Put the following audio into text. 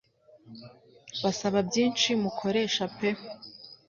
Basaba byinshi mukoresha pe